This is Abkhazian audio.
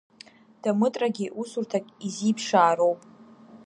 Дамытрагьы усурҭак изиԥшаароуп.